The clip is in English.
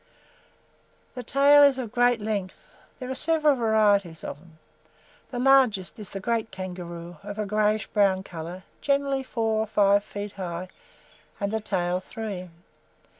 The tail is of great strength. There are several varieties of them. The largest is the Great Kangaroo, of a greyish brown colour, generally four or five feet high and the tail three.